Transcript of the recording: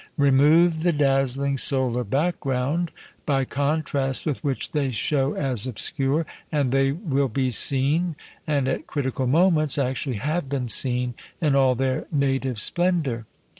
Remove the dazzling solar background, by contrast with which they show as obscure, and they will be seen, and, at critical moments, actually have been seen, in all their native splendour.